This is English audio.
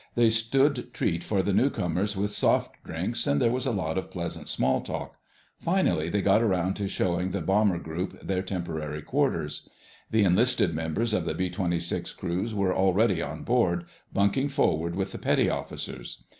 They stood treat for the newcomers with soft drinks and there was a lot of pleasant small talk. Finally they got around to showing the bomber group their temporary quarters. The enlisted members of the B 26 crews were already on board, bunking forward with the petty officers.